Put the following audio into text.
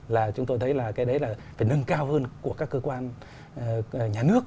là chúng tôi thấy là cái đấy là phải nâng cao hơn của các cơ quan nhà nước